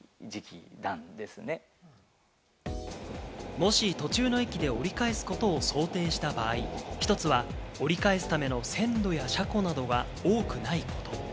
もし途中の駅で折り返すことを想定した場合、一つは折り返すための線路や車庫などは多くないこと。